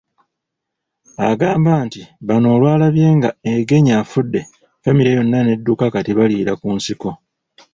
Agamba nti bano olwalabye nga Engenyi afudde, famire yonna n'edduka kati baliira ku nsiko.